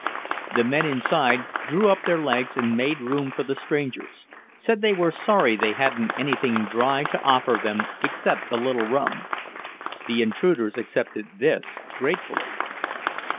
The men inside drew up their legs and made room for the strangers; said they were sorry they hadn't anything dry to offer them except a little rum. The intruders accepted this gratefully.